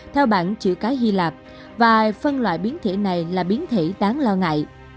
theo bảng chữ cái hy lạp và phân loại biến thể này là biến thể đáng lo ngại